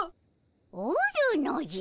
おるのじゃ。